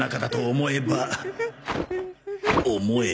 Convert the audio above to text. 思えば